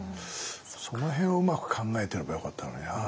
その辺をうまく考えてればよかったのにな。